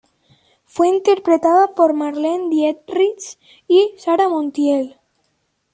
Fue interpretada por Marlene Dietrich y Sara Montiel.